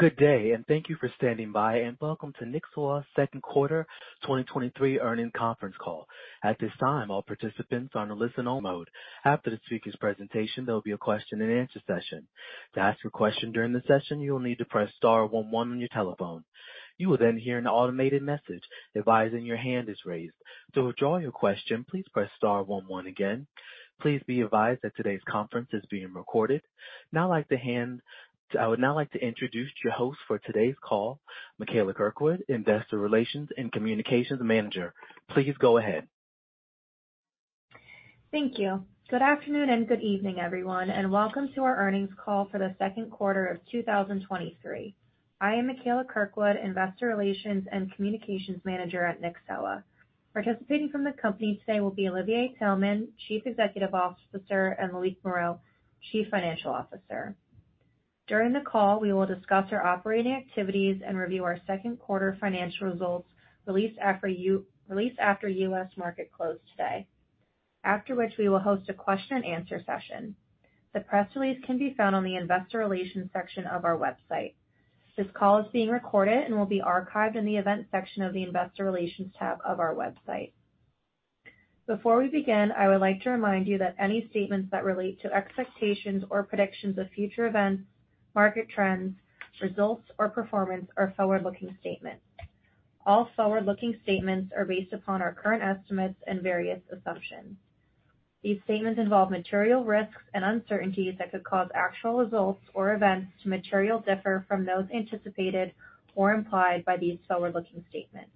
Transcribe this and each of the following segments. Good day, thank you for standing by, welcome to Nyxoah's second quarter 2023 earnings conference call. At this time, all participants are on a listen-only mode. After the speaker's presentation, there will be a question-and-answer session. To ask your question during the session, you will need to press star one one on your telephone. You will hear an automated message advising your hand is raised. To withdraw your question, please press star one one again. Please be advised that today's conference is being recorded. Now I would now like to introduce your host for today's call, Michaela Kirkwood, Investor Relations and Communications Manager. Please go ahead. Thank you. Good afternoon, and good evening, everyone, and welcome to our earnings call for the second quarter of 2023. I am Michaela Kirkwood, Investor Relations and Communications Manager at Nyxoah. Participating from the company today will be Olivier Taelman, Chief Executive Officer, and Loïc Moreau, Chief Financial Officer. During the call, we will discuss our operating activities and review our second quarter financial results, released after released after US market close today. After which, we will host a question-and-answer session. The press release can be found on the investor relations section of our website. This call is being recorded and will be archived in the event section of the investor relations tab of our website. Before we begin, I would like to remind you that any statements that relate to expectations or predictions of future events, market trends, results, or performance are forward-looking statements. All forward-looking statements are based upon our current estimates and various assumptions. These statements involve material risks and uncertainties that could cause actual results or events to material differ from those anticipated or implied by these forward-looking statements.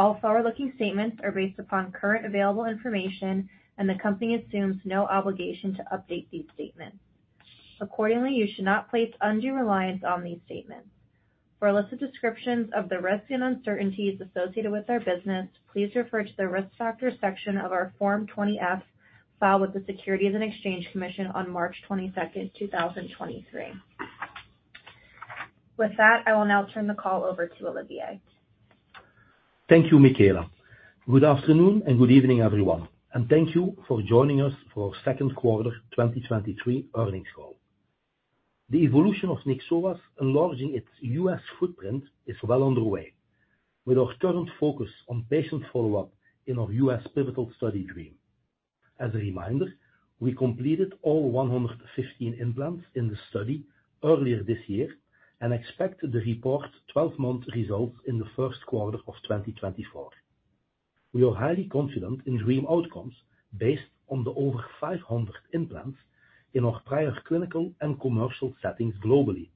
All forward-looking statements are based upon current available information, and the company assumes no obligation to update these statements. Accordingly, you should not place undue reliance on these statements. For a list of descriptions of the risks and uncertainties associated with our business, please refer to the Risk Factors section of our Form 20-F, filed with the Securities and Exchange Commission on March 22nd, 2023. With that, I will now turn the call over to Olivier. Thank you, Michaela. Good afternoon, and good evening, everyone, and thank you for joining us for our second quarter 2023 earnings call. The evolution of Nyxoah enlarging its US footprint is well underway with our current focus on patient follow-up in our US pivotal study DREAM. As a reminder, we completed all 115 implants in the study earlier this year and expect to report 12-month results in the first quarter of 2024. We are highly confident in DREAM outcomes based on the over 500 implants in our prior clinical and commercial settings globally,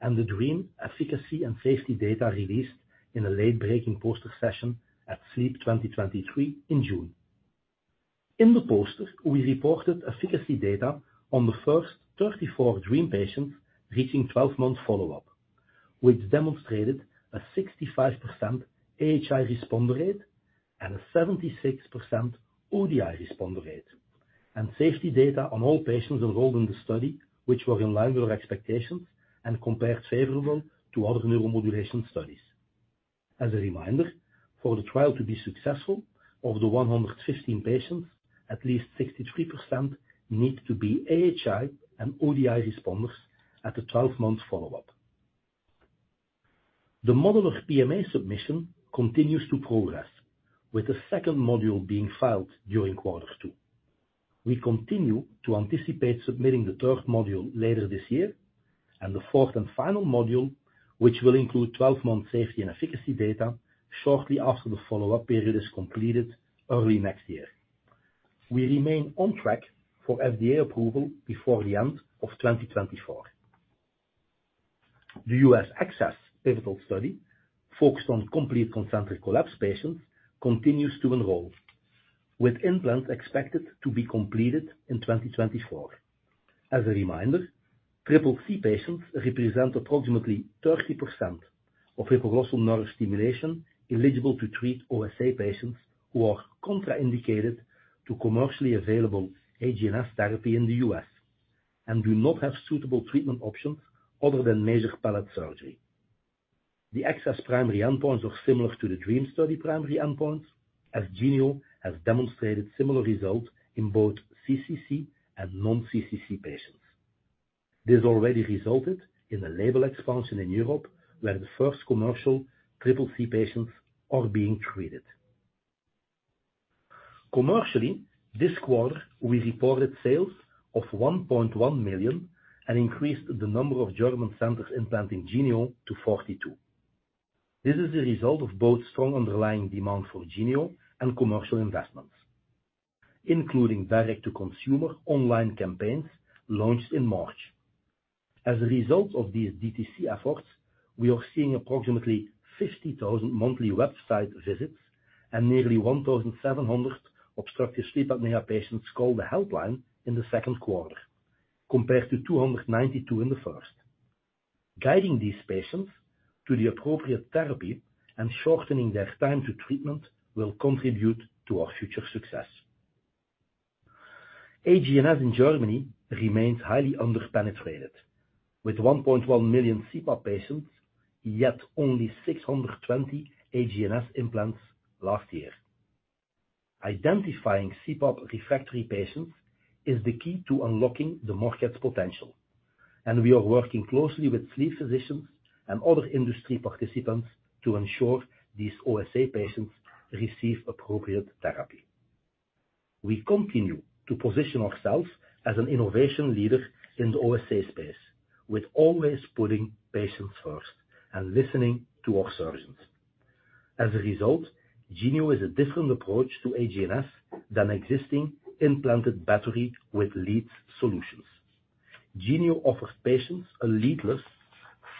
and the DREAM efficacy and safety data released in a late-breaking poster session at SLEEP 2023 in June. In the poster, we reported efficacy data on the first 34 DREAM patients reaching 12-month follow-up, which demonstrated a 65% AHI responder rate and a 76% ODI responder rate, and safety data on all patients enrolled in the study, which were in line with our expectations and compared favorably to other neuromodulation studies. As a reminder, for the trial to be successful, of the 115 patients, at least 63% need to be AHI and ODI responders at the 12-month follow-up. The model of PMA submission continues to progress, with the second module being filed during quarter two. We continue to anticipate submitting the third module later this year and the fourth and final module, which will include 12-month safety and efficacy data, shortly after the follow-up period is completed early next year. We remain on track for FDA approval before the end The U.S. access pivotal study, focused on complete concentric collapse patients, continues to enroll, with implants expected to be completed in 2024. As a reminder, triple C patients represent approximately 30% of hypoglossal nerve stimulation eligible to treat OSA patients who are contraindicated to commercially available AGNS The U.S. and do not have suitable treatment options other than major palate surgery. The Access primary endpoints are similar to the DREAM Study primary endpoints, as Genio has demonstrated similar results in both CCC and non-CCC patients. This already resulted in a label expansion in Europe, where the first commercial triple C patients are being treated. Commercially, this quarter, we reported sales of $1.1 million and increased the number of German centers implanting Genio to 42. This is the result of both strong underlying demand for Genio and commercial investments, including direct-to-consumer online campaigns launched in March. As a result of these DTC efforts, we are seeing approximately 50,000 monthly website visits and nearly 1,700 obstructive sleep apnea patients call the helpline in the second quarter, compared to 292 in the first. Guiding these patients to the appropriate therapy and shortening their time to treatment will contribute to our future success. AGNS in Germany remains highly underpenetrated, with 1.1 million CPAP patients, yet only 620 AGNS implants last year. Identifying CPAP refractory patients is the key to unlocking the market's potential, and we are working closely with sleep physicians and other industry participants to ensure these OSA patients receive appropriate therapy. We continue to position ourselves as an innovation leader in the OSA space, with always putting patients first and listening to our surgeons. As a result, Genio is a different approach to AGNS than existing implanted battery with lead solutions. Genio offers patients a leadless,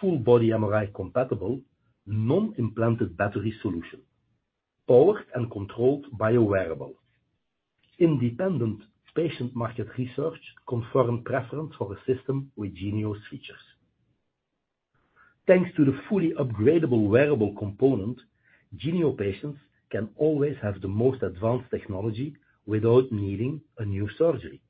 full-body MRI-compatible, non-implanted battery solution, powered and controlled by a wearable. Independent patient market research confirmed preference for a system with Genio's features. Thanks to the fully upgradable wearable component, Genio patients can always have the most advanced technology without needing a new surgery.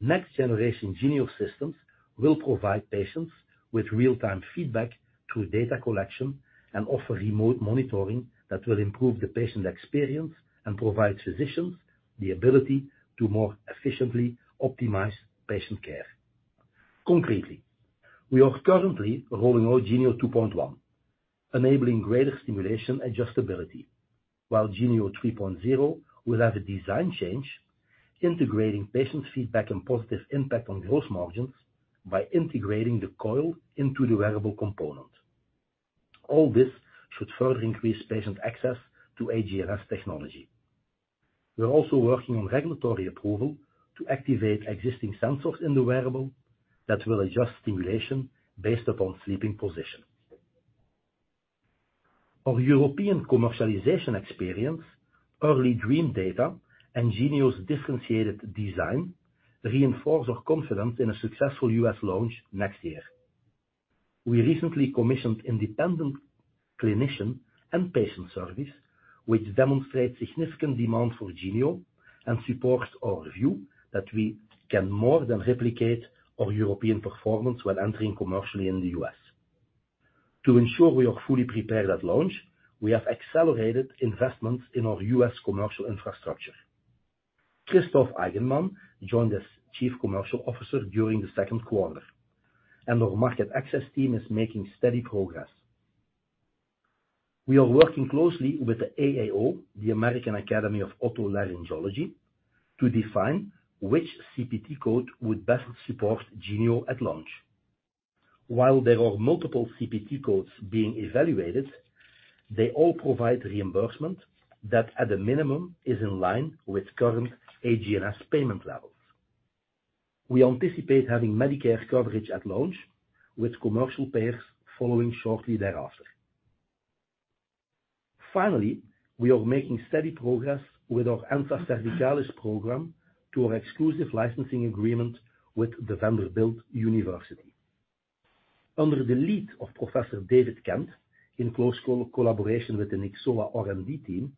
Next generation Genio systems will provide patients with real-time feedback through data collection and offer remote monitoring that will improve the patient experience and provide physicians the ability to more efficiently optimize patient care. Concretely, we are currently rolling out Genio 2.1, enabling greater stimulation adjustability, while Genio 3.0 will have a design change, integrating patient feedback and positive impact on gross margins by integrating the coil into the wearable component. All this should further increase patient access to AGNS technology. We are also working on regulatory approval to activate existing sensors in the wearable that will adjust stimulation based upon sleeping position. Our European commercialization experience, early DREAM data, and Genio's differentiated design reinforce our confidence in a successful US launch next year. We recently commissioned independent clinician and patient surveys, which demonstrates significant demand for Genio and supports our view that we can more than replicate our European performance when entering The U.S. to ensure we are fully prepared at launch, we have accelerated investments in our US commercial infrastructure. Christoph Eigenmann joined as Chief Commercial Officer during the second quarter, and our market access team is making steady progress. We are working closely with the AAO, the American Academy of Otolaryngology, to define which CPT code would best support Genio at launch. While there are multiple CPT codes being evaluated, they all provide reimbursement that, at a minimum, is in line with current AGNS payment levels. We anticipate having Medicare coverage at launch, with commercial payers following shortly thereafter. Finally, we are making steady progress with our ansa cervicalis program through our exclusive licensing agreement with the Vanderbilt University. Under the lead of Professor David Kent, in close collaboration with the Nyxoah R&D team,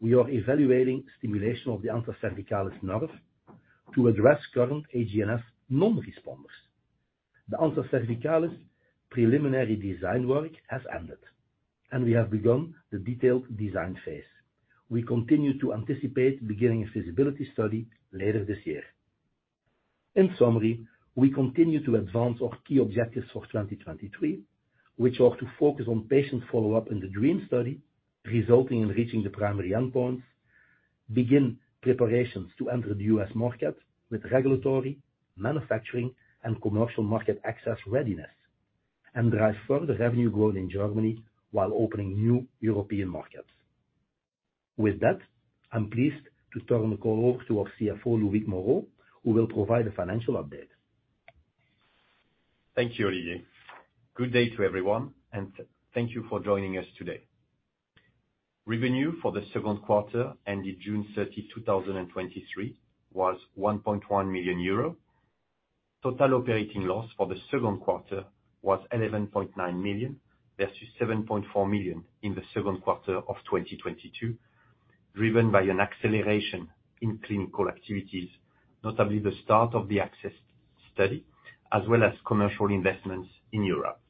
we are evaluating stimulation of the ansa cervicalis nerve to address current AGNS non-responders. The ansa cervicalis preliminary design work has ended, and we have begun the detailed design phase. We continue to anticipate beginning a feasibility study later this year. In summary, we continue to advance our key objectives for 2023, which are to focus on patient follow-up in the DREAM study, resulting in reaching the primary endpoints, begin preparations The U.S. market with regulatory, manufacturing, and commercial market access readiness, and drive further revenue growth in Germany while opening new European markets. With that, I'm pleased to turn the call over to our CFO, Loïc Moreau, who will provide a financial update. Thank you, Olivier. Good day to everyone, and thank you for joining us today. Revenue for the second quarter, ending June 30, 2023, was 1.1 million euro. Total operating loss for the second quarter was 11.9 million, versus 7.4 million in the second quarter of 2022, driven by an acceleration in clinical activities, notably the start of the ACCESS study, as well as commercial investments in Europe.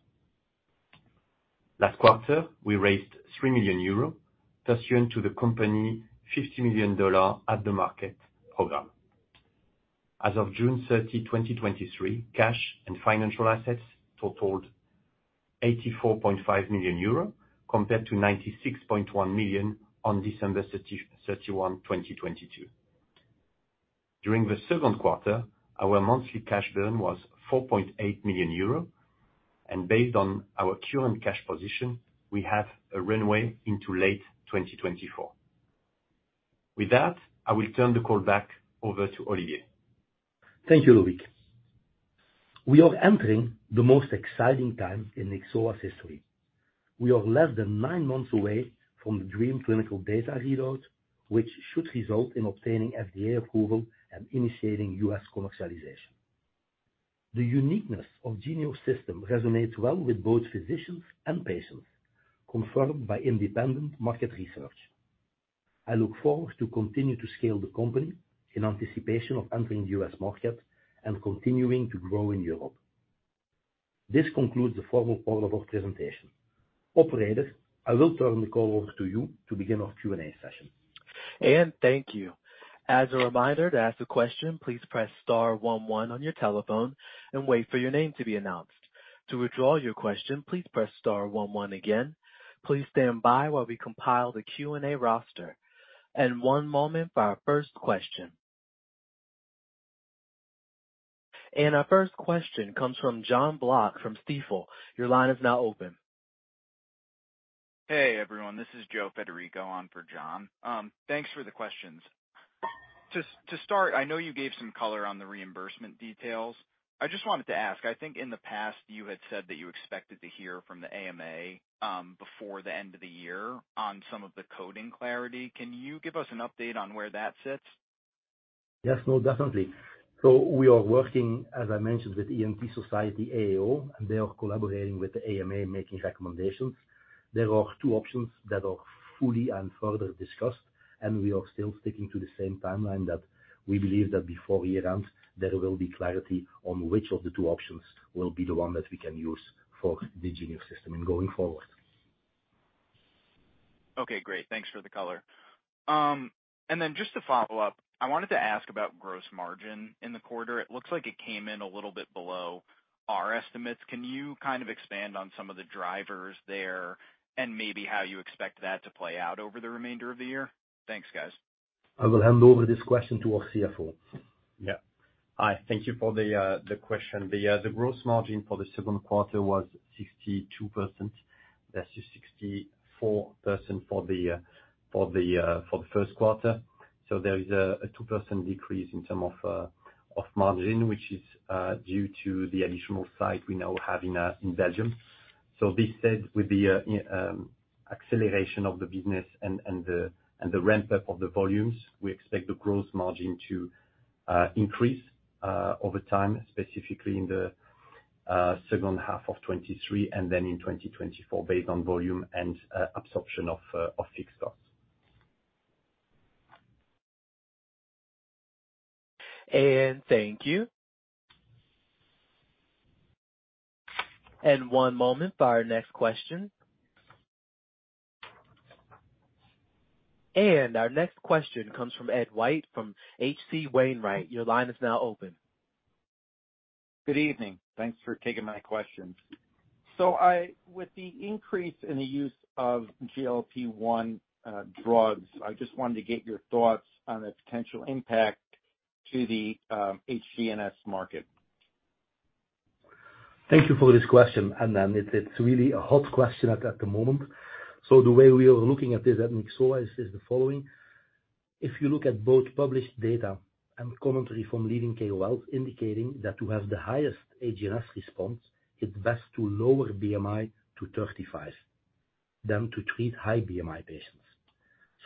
Last quarter, we raised 3 million euros pursuant to the company $50 million at-the-market program. As of June 30, 2023, cash and financial assets totaled 84.5 million euro, compared to 96.1 million on December 31, 2022. During the second quarter, our monthly cash burn was 4.8 million euro, based on our current cash position, we have a runway into late 2024. With that, I will turn the call back over to Olivier. Thank you, Loïc. We are entering the most exciting time in Nyxoah's history. We are less than nine months away from the DREAM clinical data readout, which should result in obtaining FDA approval and initiating U.S. commercialization. The uniqueness of Genio system resonates well with both physicians and patients, confirmed by independent market research. I look forward to continue to scale the company in anticipation The U.S. market and continuing to grow in Europe. This concludes the formal part of our presentation. Operator, I will turn the call over to you to begin our Q&A session. Thank you. As a reminder, to ask a question, please press star one one on your telephone and wait for your name to be announced. To withdraw your question, please press star one one again. Please stand by while we compile the Q&A roster. One moment for our first question. Our first question comes from Jonathan Block from Stifel. Your line is now open. Hey, everyone. This is Joe Federico on for John. Thanks for the questions. To start, I know you gave some color on the reimbursement details. I just wanted to ask, I think in the past you had said that you expected to hear from the AMA before the end of the year on some of the coding clarity. Can you give us an update on where that sits? Yes, no, definitely. We are working, as I mentioned, with ENT Society AO, and they are collaborating with the AMA, making recommendations. There are two options that are fully and further discussed, and we are still sticking to the same timeline that we believe that before year-end, there will be clarity on which of the two options will be the one that we can use for the Genio system in going forward. Okay, great. Thanks for the color. Just to follow up, I wanted to ask about gross margin in the quarter. It looks like it came in a little bit below our estimates. Can you kind of expand on some of the drivers there and maybe how you expect that to play out over the remainder of the year? Thanks, guys. I will hand over this question to our CFO. Yeah. Hi, thank you for the question. The gross margin for the second quarter was 62%. That's 64% for the first quarter. There is a 2% decrease in term of margin, which is due to the additional site we now have in Belgium. This said, with the acceleration of the business and the ramp up of the volumes, we expect the gross margin to increase over time, specifically in the second half of 2023 and then in 2024, based on volume and absorption of fixed costs. Thank you. One moment for our next question. Our next question comes from Edward White, from H.C. Wainwright. Your line is now open. Good evening. Thanks for taking my questions. With the increase in the use of GLP-1 drugs, I just wanted to get your thoughts on the potential impact to the HGNS market? Thank you for this question, and, and it's, it's really a hot question at, at the moment. The way we are looking at this, at Nyxoah, is the following: If you look at both published data and commentary from leading KOLs, indicating that to have the highest HGNS response, it's best to lower BMI to 35 than to treat high BMI patients.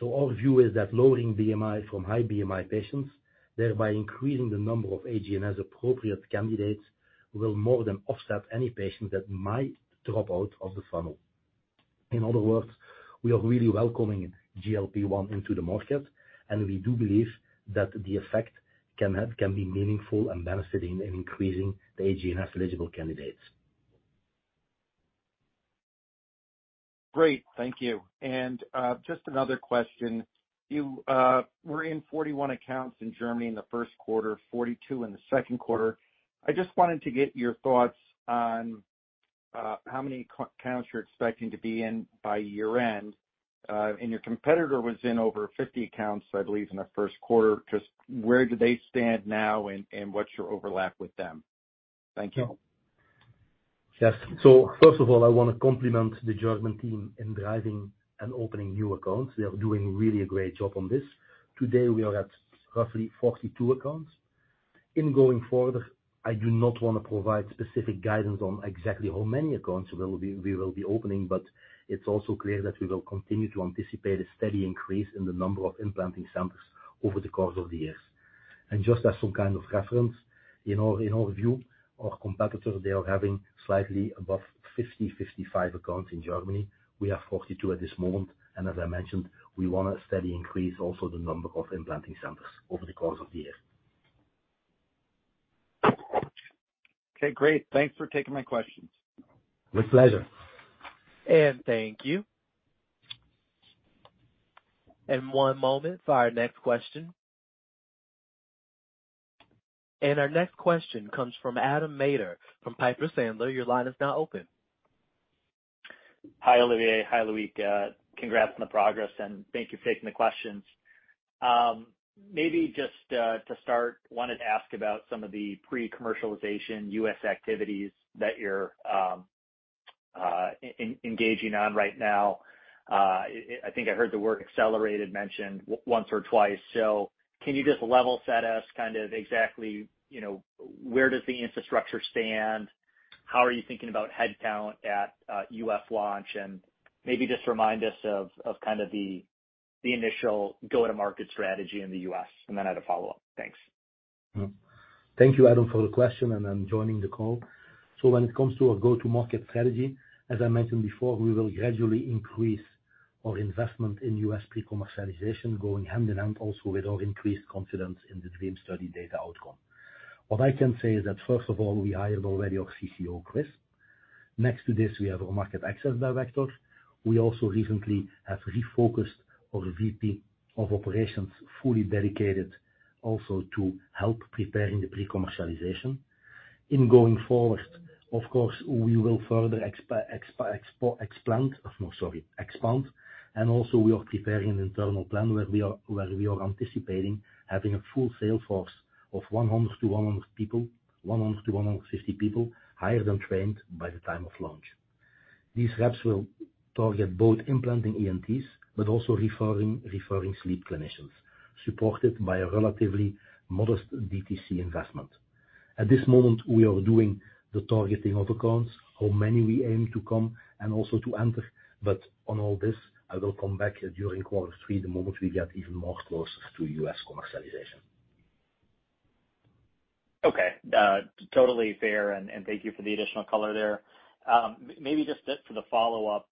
Our view is that lowering BMI from high BMI patients, thereby increasing the number of HGNS-appropriate candidates, will more than offset any patient that might drop out of the funnel. In other words, we are really welcoming GLP-1 into the market, and we do believe that the effect can be meaningful and benefiting in increasing the HGNS-eligible candidates. Great. Thank you. Just another question. You were in 41 accounts in Germany in the first quarter, 42 in the second quarter. I just wanted to get your thoughts on how many co- accounts you're expecting to be in by year-end. Your competitor was in over 50 accounts, I believe, in the first quarter. Just where do they stand now and what's your overlap with them? Thank you. Yes. First of all, I want to compliment the German team in driving and opening new accounts. They are doing really a great job on this. Today, we are at roughly 42 accounts. In going further, I do not want to provide specific guidance on exactly how many accounts we will be opening, but it's also clear that we will continue to anticipate a steady increase in the number of implanting centers over the course of the years. Just as some kind of reference, in our view, our competitors, they are having slightly above 50-55 accounts in Germany. We have 42 at this moment, and as I mentioned, we want to steady increase also the number of implanting centers over the course of the year. Okay, great. Thanks for taking my questions. With pleasure. Thank you. One moment for our next question. Our next question comes from Adam Maeder, from Piper Sandler. Your line is now open. Hi, Olivier. Hi, Loïc. Congrats on the progress, and thank you for taking the questions. Maybe just to start, wanted to ask about some of the pre-commercialization US activities that you're engaging on right now. I think I heard the word accelerated mentioned once or twice. Can you just level set us kind of exactly, you know, where does the infrastructure stand? How are you thinking about headcount at US launch? Maybe just remind us of kind of the initial go-to-market The U.S., and then I had a follow-up. Thanks. Thank you, Adam, for the question, and I'm joining the call. When it comes to our go-to-market strategy, as I mentioned before, we will gradually increase-... our investment in US pre-commercialization going hand in hand also with our increased confidence in the DREAM study data outcome. What I can say is that, first of all, we hired already our CCO, Chris. Next to this, we have our market access director. We also recently have refocused our VP of operations, fully dedicated also to help preparing the pre-commercialization. In going forward, of course, we will further expand. Also we are preparing an internal plan where we are, where we are anticipating having a full sales force of 100-100 people, 100-150 people, hired and trained by the time of launch. These reps will target both implanting ENTs, but also referring, referring sleep clinicians, supported by a relatively modest DTC investment. At this moment, we are doing the targeting of accounts, how many we aim to come and also to enter. On all this, I will come back during quarter three, the moment we get even more closer to US commercialization. Okay, totally fair, and, and thank you for the additional color there. Maybe just for the follow-up,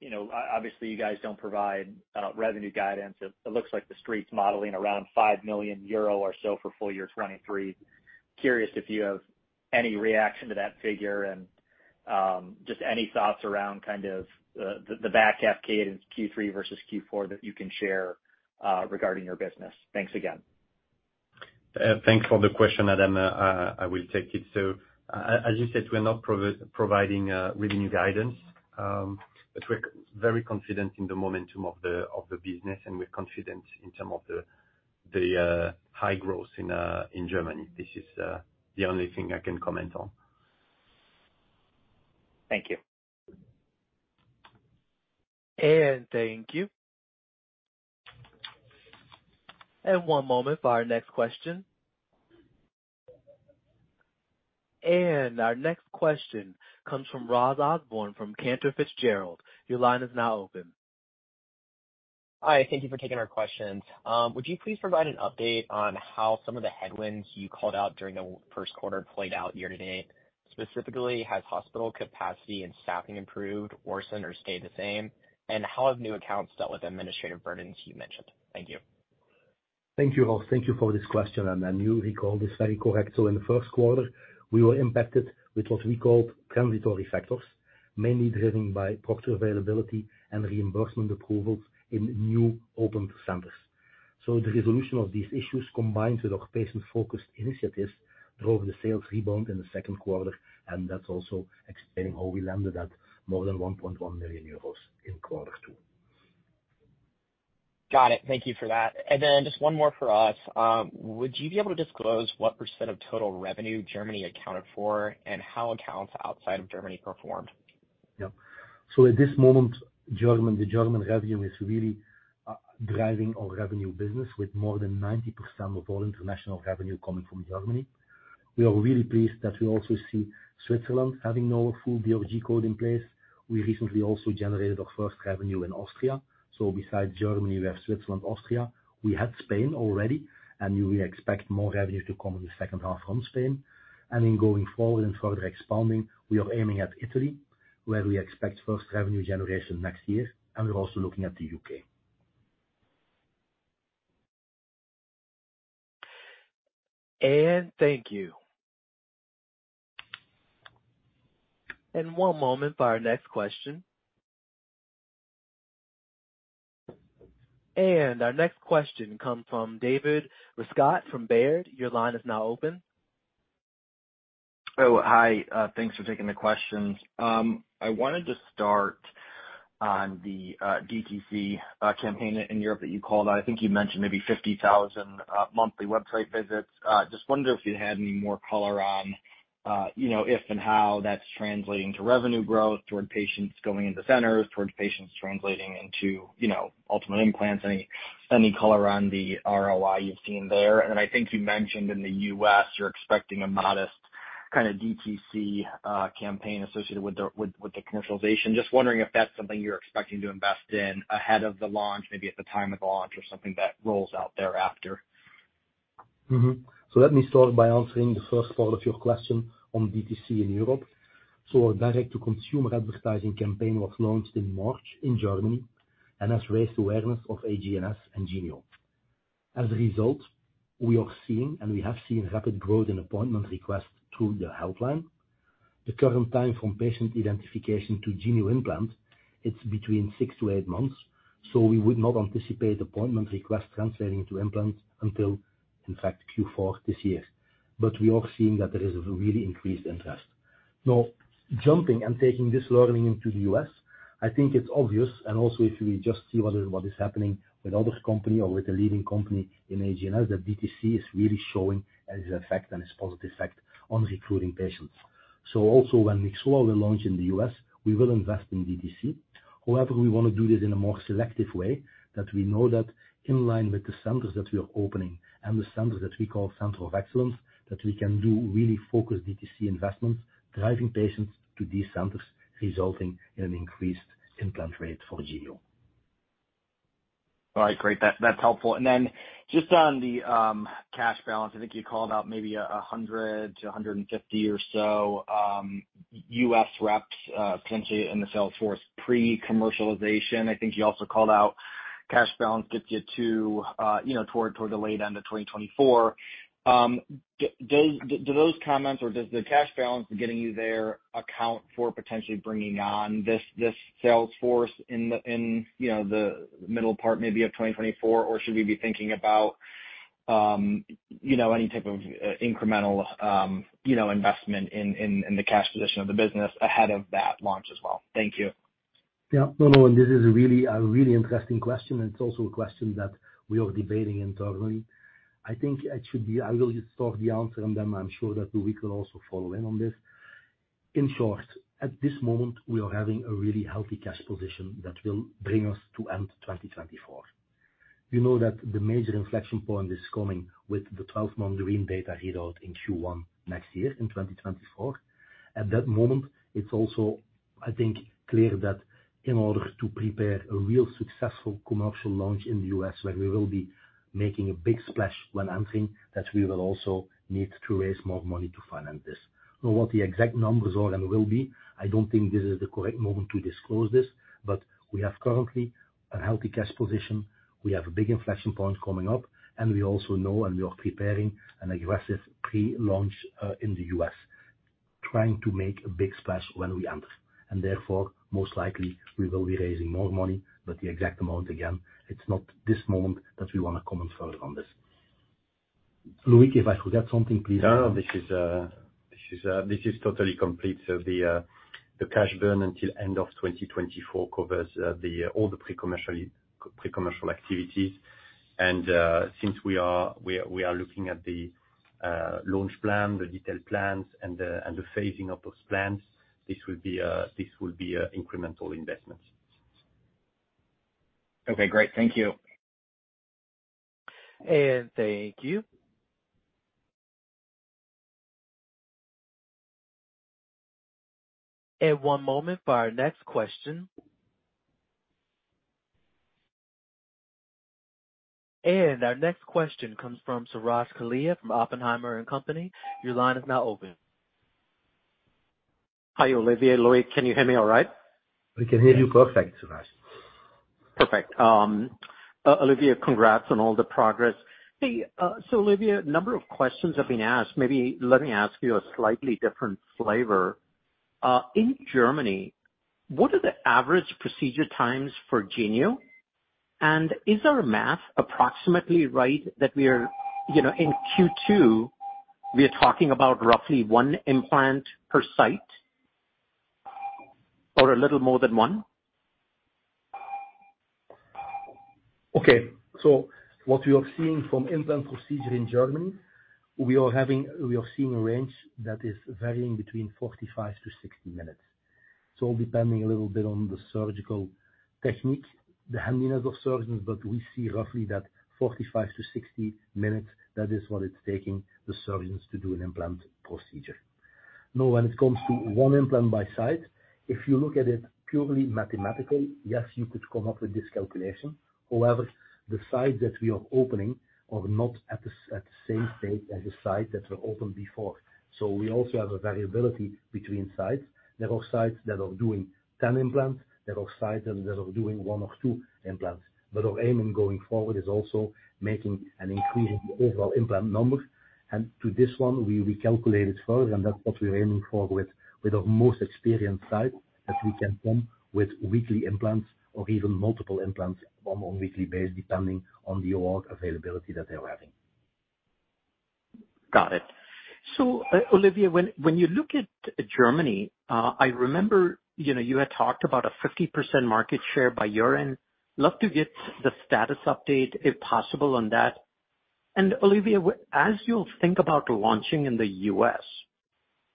you know, obviously, you guys don't provide, revenue guidance. It, it looks like the Street's modeling around 5 million euro or so for full year 2023. Curious if you have any reaction to that figure and, just any thoughts around kind of the, the back half cadence, Q3 versus Q4, that you can share, regarding your business. Thanks again. Thanks for the question, Adam. I will take it. As you said, we're not providing revenue guidance, but we're very confident in the momentum of the business, and we're confident in term of high growth in Germany. This is the only thing I can comment on. Thank you. Thank you. One moment for our next question. Our next question comes from Ross Osborn, from Cantor Fitzgerald. Your line is now open. Hi, thank you for taking our questions. Would you please provide an update on how some of the headwinds you called out during the first quarter played out year to date? Specifically, has hospital capacity and staffing improved, worsened, or stayed the same? How have new accounts dealt with administrative burdens you mentioned? Thank you. Thank you, Ross. Thank you for this question, and, and you recall this very correct. In the first quarter, we were impacted with what we called transitory factors, mainly driven by product availability and reimbursement approvals in new open centers. The resolution of these issues, combined with our patient-focused initiatives, drove the sales rebound in the second quarter, and that's also explaining how we landed at more than 1.1 million euros in quarter two. Got it. Thank you for that. Then just one more for us. Would you be able to disclose what % of total revenue Germany accounted for and how accounts outside of Germany performed? Yeah. At this moment, German- the German revenue is really driving our revenue business with more than 90% of all international revenue coming from Germany. We are really pleased that we also see Switzerland having now a full DRG code in place. We recently also generated our first revenue in Austria. Besides Germany, we have Switzerland, Austria. We had Spain already, we expect more revenue to come in the second half from Spain. In going forward and further expanding, we are aiming at Italy, where we expect first revenue generation next year, we're also looking at The U.K. Thank you. One moment for our next question. Our next question come from David Rescott from Baird. Your line is now open. Oh, hi. Thanks for taking the questions. I wanted to start on the DTC campaign in Europe that you called out. I think you mentioned maybe 50,000 monthly website visits. Just wondered if you had any more color on, you know, if and how that's translating to revenue growth, toward patients going into centers, towards patients translating into, you know, ultimate implants, any, any color on the ROI you've seen there? I think you The U.S., you're expecting a modest kind of DTC campaign associated with the commercialization. Just wondering if that's something you're expecting to invest in ahead of the launch, maybe at the time of launch, or something that rolls out thereafter. Mm-hmm. Let me start by answering the first part of your question on DTC in Europe. Our direct-to-consumer advertising campaign was launched in March in Germany and has raised awareness of AGNS and Genio. As a result, we are seeing and we have seen rapid growth in appointment requests through the helpline. The current time from patient identification to Genio implant, it's between six to eight months, so we would not anticipate appointment requests translating to implants until, in fact, Q4 this year. We are seeing that there is a really increased interest. Now, jumping and taking this The U.S., i think it's obvious, and also if we just see what is, what is happening with other company or with the leading company in AGNS, that DTC is really showing as effect and its positive effect on recruiting patients. Also, when we slowly The U.S., we will invest in DTC. However, we want to do this in a more selective way, that we know that in line with the centers that we are opening and the centers that we call centers of excellence, that we can do really focused DTC investments, driving patients to these centers, resulting in an increased implant rate for Genio. All right, great. That, that's helpful. Just on the cash balance, I think you called out maybe 100-150 or so US reps potentially in the sales force pre-commercialization. I think you also called out cash balance gets you to, you know, toward the late end of 2024. Do those comments or does the cash balance getting you there account for potentially bringing on this sales force in the, in, you know, the middle part maybe of 2024? Should we be thinking about, you know, any type of incremental, you know, investment in the cash position of the business ahead of that launch as well? Thank you. Yeah. No, no, this is a really, a really interesting question, and it's also a question that we are debating internally. I will just start the answer, then I'm sure that Loïc will also follow in on this. In short, at this moment, we are having a really healthy cash position that will bring us to end 2024. We know that the major inflection point is coming with the 12-month green data readout in Q1 next year, in 2024. At that moment, it's also, I think, clear that in order to prepare a real successful commercial The U.S., where we will be making a big splash when entering, that we will also need to raise more money to finance this. What the exact numbers are and will be, I don't think this is the correct moment to disclose this, but we have currently a healthy cash position. We have a big inflection point coming up, and we also know, and we are preparing an aggressive The U.S., trying to make a big splash when we enter. Therefore, most likely we will be raising more money, but the exact amount, again, it's not this moment that we want to comment further on this. Loïc, if I forgot something, please... is, this is totally complete. The cash burn until end of 2024 covers the, all the pre-commercially, pre-commercial activities. Since we are, we are, we are looking at the launch plan, the detailed plans, and the, and the phasing of those plans, this will be a, this will be a incremental investment. Okay, great. Thank you. Thank you. One moment for our next question. Our next question comes from Suraj Kalia from Oppenheimer & Co.. Your line is now open. Hi, Olivier, Loïc, can you hear me all right? We can hear you perfect, Suraj. Perfect. Olivier, congrats on all the progress. Hey, so Olivier, a number of questions have been asked. Maybe let me ask you a slightly different flavor. In Germany, what are the average procedure times for Genio? And is our math approximately right, that we are, you know, in Q2, we are talking about roughly one implant per site, or a little more than one? What we are seeing from implant procedure in Germany, we are seeing a range that is varying between 45-60 minutes. It's all depending a little bit on the surgical technique, the handiness of surgeons, but we see roughly that 45-60 minutes, that is what it's taking the surgeons to do an implant procedure. When it comes to 1 implant by site, if you look at it purely mathematically, yes, you could come up with this calculation. The sites that we are opening are not at the same state as the sites that were opened before. We also have a variability between sites. There are sites that are doing 10 implants. There are sites that are doing one or two implants. Our aim in going forward is also making an increasing overall implant number. To this one, we recalculated further, and that's what we're aiming for with, with our most experienced site, that we can come with weekly implants or even multiple implants on a weekly basis, depending on the OR availability that they're having. Got it. Olivier Taelman, when, when you look at Germany, I remember, you know, you had talked about a 50% market share by year-end. Love to get the status update, if possible, on that. Olivier Taelman, as you think about The U.S.,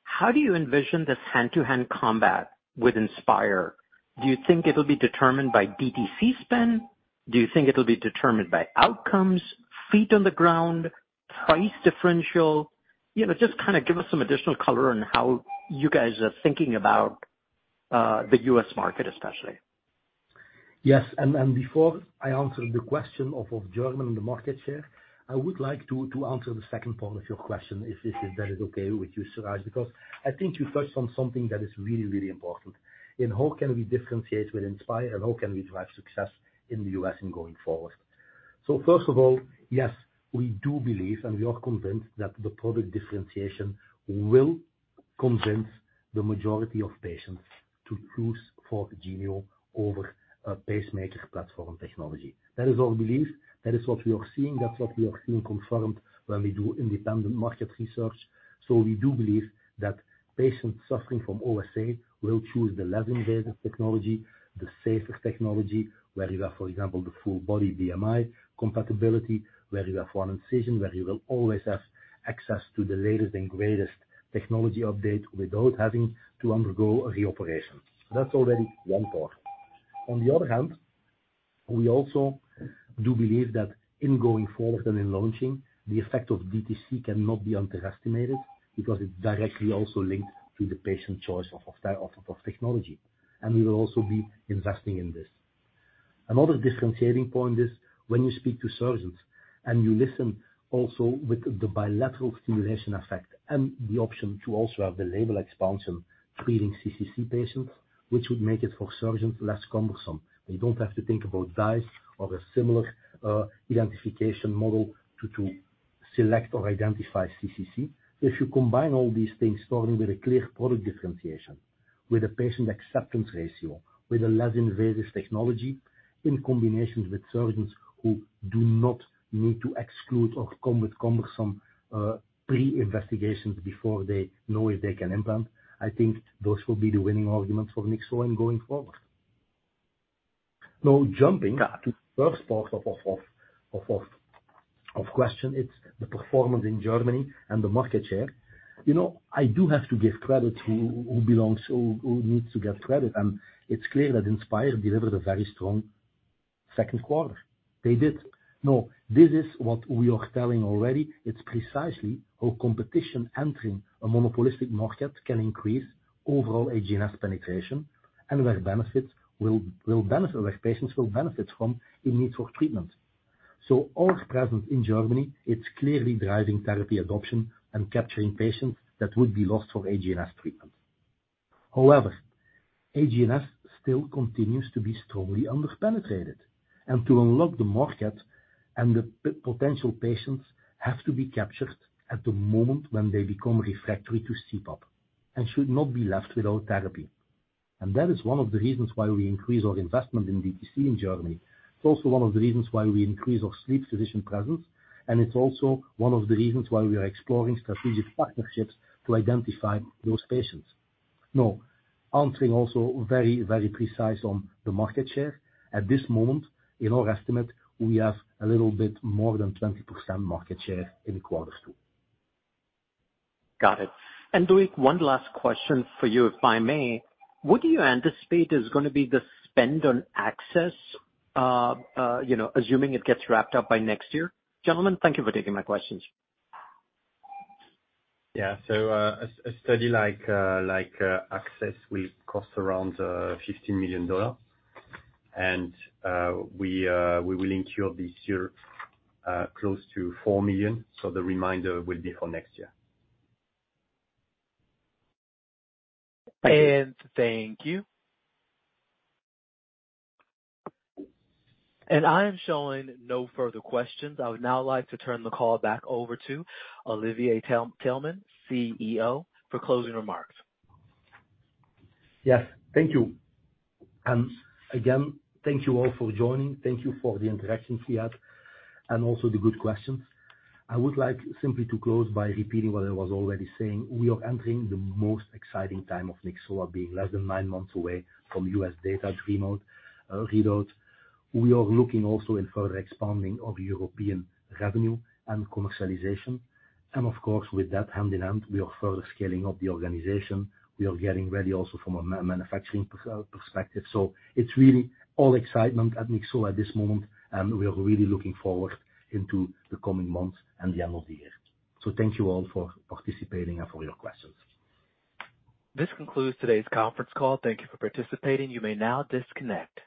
how do you envision this hand-to-hand combat with Inspire? Do you think it'll be determined by DTC spend? Do you think it'll be determined by outcomes, feet on the ground, price differential? You know, just kind of give us some additional color on how you guys are The U.S. market especially. Yes, before I answer the question of, of Germany and the market share, I would like to, to answer the second part of your question, if, if, if that is okay with you, Suraj, because I think you touched on something that is really, really important. How can we differentiate with Inspire and how can we drive success in The U.S. in going forward? First of all, yes, we do believe, and we are convinced that the product differentiation will convince the majority of patients to choose for Genio over a pacemaker platform technology. That is our belief. That is what we are seeing. That's what we are seeing confirmed when we do independent market research. We do believe that patients suffering from OSA will choose the less invasive technology, the safest technology, where you have, for example, the full-body BMI compatibility, where you have 1 incision, where you will always have access to the latest and greatest technology update without having to undergo a reoperation. That's already 1 part. On the other hand, we also do believe that in going forward and in launching, the effect of DTC cannot be underestimated, because it's directly also linked to the patient choice of technology. We will also be investing in this. Another differentiating point is when you speak to surgeons and you listen also with the bilateral stimulation effect and the option to also have the label expansion treating CCC patients, which would make it for surgeons less cumbersome. They don't have to think about DISE or a similar identification model to select or identify CCC. If you combine all these things, starting with a clear product differentiation, with a patient acceptance ratio, with a less invasive technology, in combination with surgeons who do not need to exclude or come with cumbersome pre-investigations before they know if they can implant, I think those will be the winning arguments for Nyxoah going forward. Jumping to the first part of question, it's the performance in Germany and the market share. You know, I do have to give credit to who belongs, who needs to get credit, and it's clear that Inspire delivered a very strong second quarter. They did. This is what we are telling already. It's precisely how competition entering a monopolistic market can increase overall AGNS penetration and where benefits will benefit, where patients will benefit from a need for treatment. Our presence in Germany, it's clearly driving therapy adoption and capturing patients that would be lost for AGNS treatment. However, AGNS still continues to be strongly under-penetrated, and to unlock the market and the potential patients have to be captured at the moment when they become refractory to CPAP and should not be left without therapy. That is one of the reasons why we increase our investment in DTC in Germany. It's also one of the reasons why we increase our sleep physician presence, and it's also one of the reasons why we are exploring strategic partnerships to identify those patients. Now, answering also very, very precise on the market share. At this moment, in our estimate, we have a little bit more than 20% market share in quarter two. Got it. And Loïc, one last question for you, if I may. What do you anticipate is going to be the spend on ACCESS, you know, assuming it gets wrapped up by next year? Gentlemen, thank you for taking my questions. Yeah. A study like ACCESS will cost around $15 million. We will ensure this year close to $4 million, so the remainder will be for next year. Thank you. I am showing no further questions. I would now like to turn the call back over to Olivier Taelman, CEO, for closing remarks. Yes. Thank you. Again, thank you all for joining. Thank you for the interaction we had and also the good questions. I would like simply to close by repeating what I was already saying. We are entering the most exciting time of Nyxoah, being less than nine months away from US data dream mode readout. We are looking also in further expanding of European revenue and commercialization. Of course, with that hand in hand, we are further scaling up the organization. We are getting ready also from a manufacturing perspective. It's really all excitement at Nyxoah at this moment, and we are really looking forward into the coming months and the end of the year. Thank you all for participating and for your questions. This concludes today's conference call. Thank you for participating. You may now disconnect.